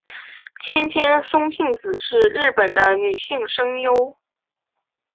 千千松幸子是日本的女性声优。